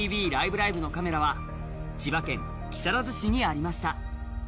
ライブ！」のカメラは千葉県木更津市にありました。